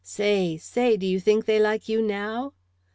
Say, say, do you think they like you now?"